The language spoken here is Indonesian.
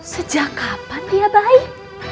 sejak kapan dia baik